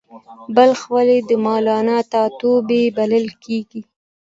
بلخ ولې د مولانا ټاټوبی بلل کیږي؟